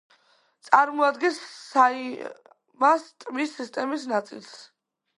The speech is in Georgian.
წარმოადგენს საიმას ტბის სისტემის ნაწილს.